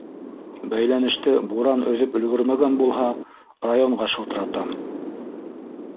Бәйләнеште буран өҙөп өлгөрмәгән булһа, районға шылтыратам.